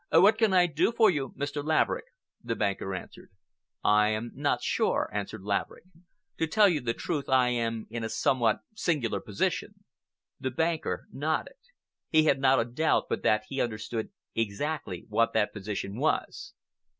"What can I do for you, Mr. Laverick?" the banker asked. "I am not sure," answered Laverick. "To tell you the truth, I am in a somewhat singular position." The banker nodded. He had not a doubt but that he understood exactly what that position was.